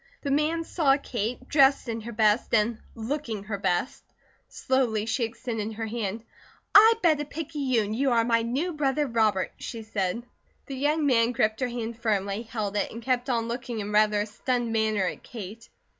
The man saw Kate, dressed in her best and looking her best. Slowly she extended her hand. "I bet a picayune you are my new brother, Robert," she said. The young man gripped her hand firmly, held it, and kept on looking in rather a stunned manner at Kate.